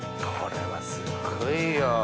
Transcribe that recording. これはすごいよ。